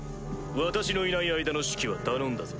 私のいない間の指揮は頼んだぞ。